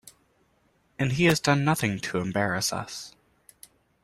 And he has done nothing to embarrass us.